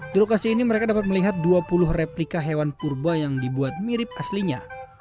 di lokasi ini mereka dapat melihat dua puluh replika hewan purba yang dibuat mirip aslinya